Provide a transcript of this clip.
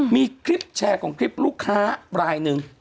มีคลิปแชร์ของคลิปลูกค้ารายหนึ่ง